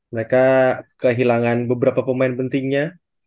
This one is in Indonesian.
mereka kehilangan beberapa pemain pentingnya